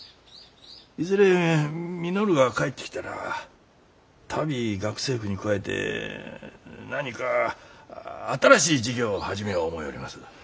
いずれ稔が帰ってきたら足袋学生服に加えて何か新しい事業を始みょう思ようります。